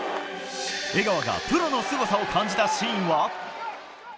江川がプロのすごさを感じたシーンは？